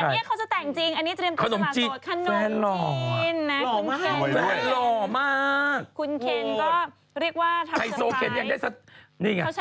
แต่อันนี้ของจริงคานมจีนแฟนหล่อมากคุณเข็นคงเรียกว่าให้สถาปนาเป็นไฮโซเข็นแล้วสิ